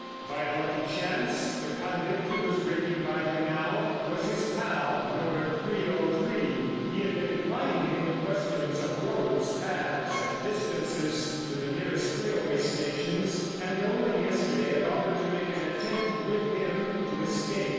By a lucky chance the convict who was raking by him now was his pal, No. 303. He had been plying him with questions of roads, paths, and distances to the nearest railway stations, and only yesterday had offered to make an attempt with him to escape.